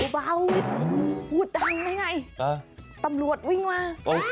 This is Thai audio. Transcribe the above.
เบาพูดดังได้ไงตำรวจวิ่งมา